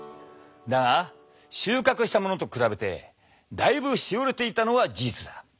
だが収穫したものと比べてだいぶしおれていたのは事実だ。